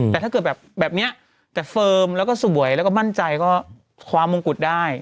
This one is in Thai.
แต่ถ้าเกิดแบบแบบนี้แต่เฟิร์มแล้วก็สวยแล้วก็มั่นใจก็คว้ามงกุฎได้